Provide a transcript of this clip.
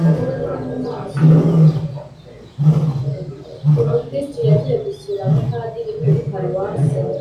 umukristu yagiye gusura abapadiri kuri paruwasi